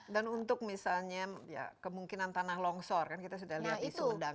dan untuk misalnya kemungkinan tanah longsor kita sudah lihat di sumedang